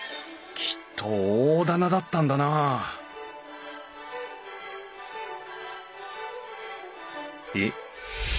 きっと大店だったんだなあえっ